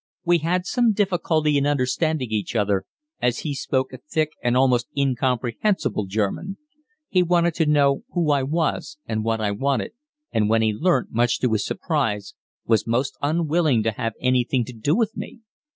We had some difficulty in understanding each other, as he spoke a thick and almost incomprehensible German. He wanted to know who I was and what I wanted, and when he learnt, much to his surprise, was most unwilling to have anything to do with me.